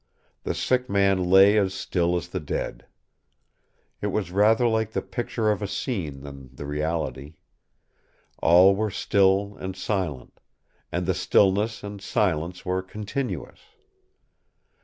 The sick man lay as still as the dead. It was rather like the picture of a scene than the reality; all were still and silent; and the stillness and silence were continuous.